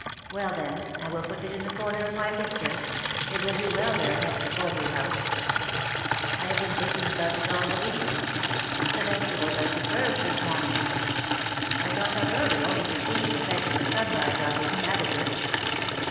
" Well, then, I will put it in the corner of my picture; it will do well there next the poultry house. I have been 40 THE MARKETS OF PARIS. thinking about it all the week. The vegetables are superb this morning. I got up early only to see the effect of the sunrise on these cabbages."